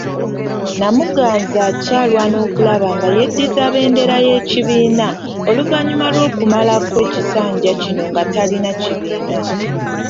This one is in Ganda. Namuganza akyalwana okulaba nga yeddiza bbendera y'ekibiina oluvanyuma lw'okumalako ekisanja kino nga talina kibiina.